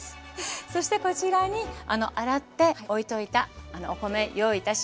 そしてこちらに洗って置いといたお米用意いたしました。